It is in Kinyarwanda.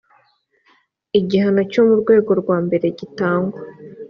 igihano cyo mu rwego rwa mbere gitangwa